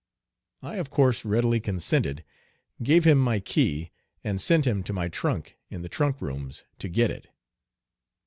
I of course readily consented, gave him my key, and sent him to my trunk in the trunk rooms to get it.